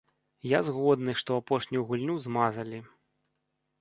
Я згодны, што апошнюю гульню змазалі.